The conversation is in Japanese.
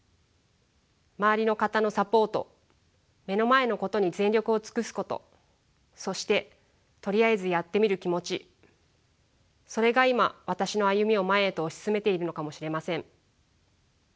周りの方のサポート目の前のことに全力を尽くすことそしてとりあえずやってみる気持ちそれが今私の歩みを前へと押し進めているのかもしれません。